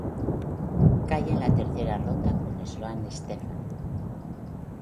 Cae en tercera ronda con Sloane Stephens.